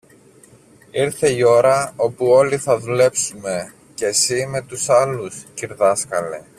Ήρθε η ώρα όπου όλοι θα δουλέψουμε, και συ με τους άλλους, κυρδάσκαλε.